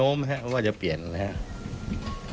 ก็แนวโน้มว่าจะเปลี่ยนนะครับ